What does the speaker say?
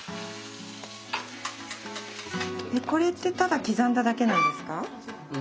これってただ刻んだだけなんですか？